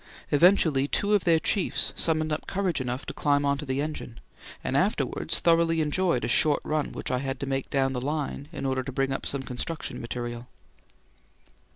Eventually, two of their chiefs summoned up courage enough to climb on to the engine, and afterwards thoroughly enjoyed a short run which I had to make down the line in order to bring up some construction material.